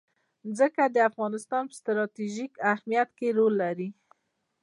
ځمکه د افغانستان په ستراتیژیک اهمیت کې رول لري.